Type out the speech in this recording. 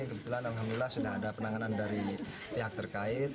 kebetulan alhamdulillah sudah ada penanganan dari pihak terkait